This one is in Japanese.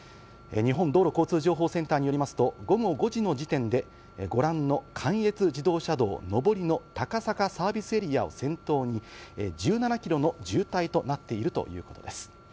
日本道路交通情報センターによりますと、午後５時の時点で、ご覧の関越自動車道上りの高坂サービスエリアを先頭に、１７キロの渋滞となっているということです。